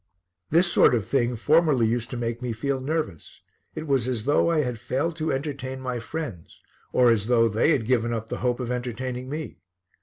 This sort of thing formerly used to make me feel nervous; it was as though I had failed to entertain my friends or as though they had given up the hope of entertaining me.